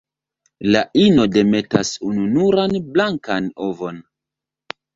La ino demetas ununuran blankan ovon.